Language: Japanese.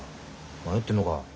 迷ってんのか。